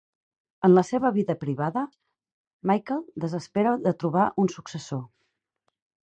En la seva vida privada, Michael desespera de trobar un successor.